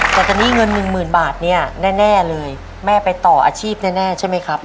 แต่ตอนนี้เงินหนึ่งหมื่นบาทเนี่ยแน่เลยแม่ไปต่ออาชีพแน่ใช่ไหมครับ